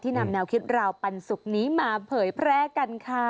นำแนวคิดราวปันสุกนี้มาเผยแพร่กันค่ะ